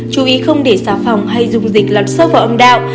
chú ý không để xà phòng hay dung dịch lọt sâu vào âm đạo